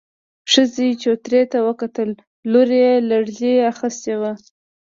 ښځې چوترې ته وکتل، لور يې لړزې اخيستې وه.